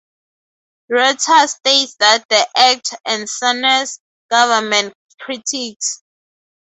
Reuters states that the act "ensnares" government critics.